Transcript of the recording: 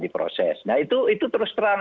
diproses nah itu terus terang